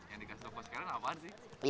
yang dikasih toko sekarang apaan sih